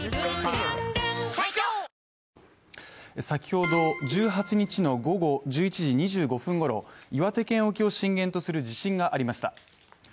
先ほど、１８日の午後１１時２５分ごろ、岩手県沖を震源とする地震がありました。